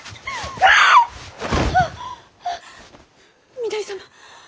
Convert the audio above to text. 御台様